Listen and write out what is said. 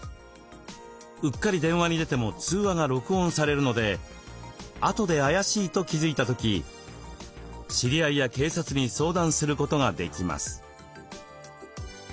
うっかり電話に出ても通話が録音されるのであとで怪しいと気付いた時知り合いや警察に相談することができます。